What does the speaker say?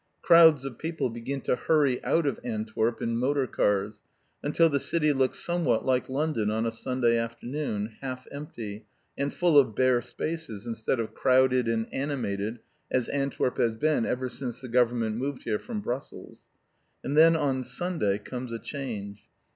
Crowds of people begin to hurry out of Antwerp in motor cars, until the city looks somewhat like London on a Sunday afternoon, half empty, and full of bare spaces, instead of crowded and animated as Antwerp has been ever since the Government moved here from Brussels. And then, on Sunday, comes a change.